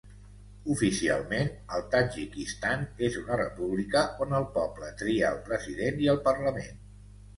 Oficialment, el Tadjikistan és una república on el poble tria el president i el parlament.